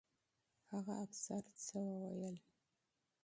هغه افسر څه وویل؟